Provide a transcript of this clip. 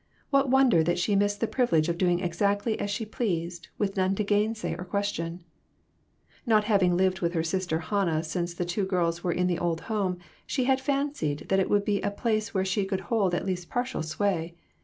What won der that she missed the privilege of doing exactly as she pleased, with none to gainsay or question ? Not having lived with her sister Hannah since the two were girls in the old home, she had fan cied that it would be a place where she could hold at least partial sway.